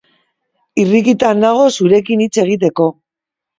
Irrikitan nago zurekin hitz egiteko.